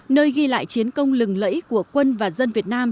nơi ghi lại chiến công lừng lẫy của quân và dân việt nam